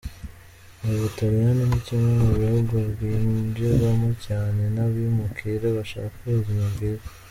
U Butaliyani ni kimwe mu bihugu byinjirwamo cyane n’abimukira bashaka ubuzima bwiza.